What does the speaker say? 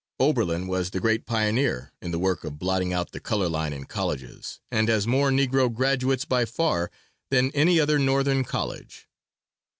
Oberlin was the great pioneer in the work of blotting out the color line in colleges, and has more Negro graduates by far than any other Northern college.